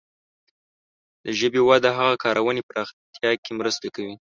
د ژبې وده د هغه کارونې پراختیا کې مرسته کوي.